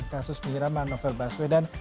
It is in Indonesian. kasus penyiraman novel baswedan